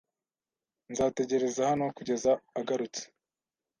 Nzategereza hano kugeza agarutse.